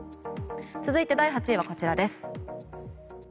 続いて、第８位はこちらです。